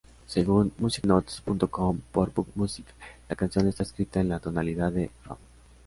Según MusicNotes.com por Bug Music, la canción está escrita en la tonalidad de Fa♯m.